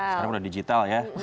sekarang udah digital ya